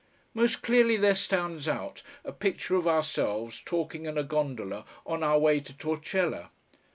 Most clearly there stands out a picture of ourselves talking in a gondola on our way to Torcella.